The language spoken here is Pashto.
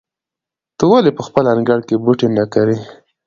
ته ولې په خپل انګړ کې بوټي نه کرې؟